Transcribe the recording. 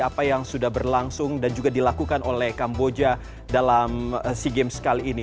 apa yang sudah berlangsung dan juga dilakukan oleh kamboja dalam sea games kali ini